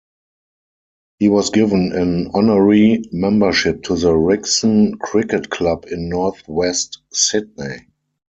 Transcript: He was given an honorary membership to the Rickson Cricket Club in northwest Sydney.